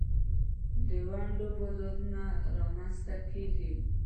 د ونډو بازارونه رامینځ ته کیږي.